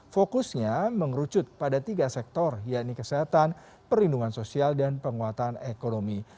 fokusnya mengerucut pada tiga sektor yakni kesehatan perlindungan sosial dan penguatan ekonomi